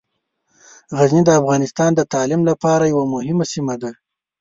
غزني د افغانستان د تعلیم لپاره یوه مهمه سیمه ده.